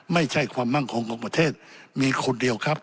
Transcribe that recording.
ไม่ใช่ความมั่งคงของประเทศมีคนเดียวครับ